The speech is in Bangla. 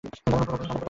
দারুণ উপকার করেছেন।